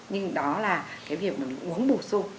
nhưng đó là cái việc mà uống bùa xô